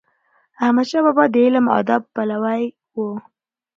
احمد شاه بابا د علم او ادب پلوی و.